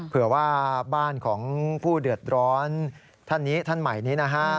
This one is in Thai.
เผื่อว่าบ้านของผู้เดือดร้อนท่านนี้ท่านใหม่นี้นะฮะ